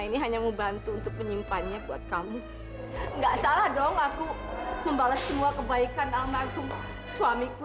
ini hanya membantu untuk penyimpan yang buat kamu nggak salah dong aku kebaikan almarhum suamiku